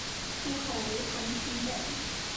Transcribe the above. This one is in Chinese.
出口为横琴北。